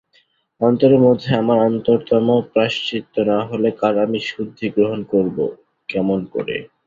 অন্তরের মধ্যে আমার অন্তরতম প্রায়শ্চিত্ত না হলে কাল আমি শুদ্ধি গ্রহণ করব কেমন করে!